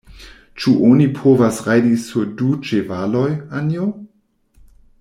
Ĉu oni povas rajdi sur du ĉevaloj, Anjo?